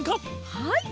はい！